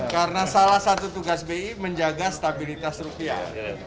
karena salah satu tugas bi menjaga stabilitas rupiah